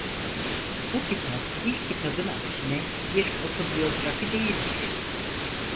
Bu kitap ilk kitabın aksine bir otobiyografi değildir.